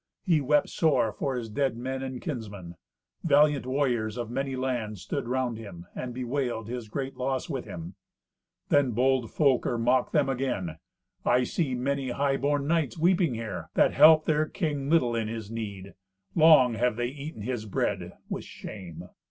He wept sore for his dead men and kinsmen. Valiant warriors of many lands stood round him, and bewailed his great loss with him. Then bold Folker mocked them again. "I see many high born knights weeping here, that help their king little in his need. Long have they eaten his bread with shame."